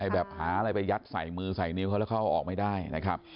แบบหาอะไรไปยัดใส่มือใส่นิ้วเขาแล้วเข้าออกไม่ได้นะครับ